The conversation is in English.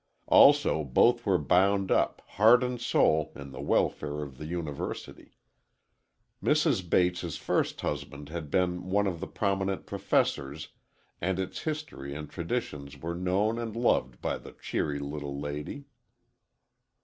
Also both were bound up, heart and soul, in the welfare of the University. Mrs. Bates' first husband had been one of its prominent professors and its history and traditions were known and loved by the cheery little lady.